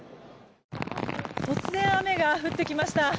突然雨が降ってきました。